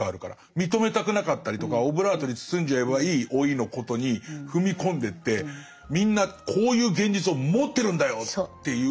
認めたくなかったりとかオブラートに包んじゃえばいい老いのことに踏み込んでってみんなこういう現実を持ってるんだよっていう。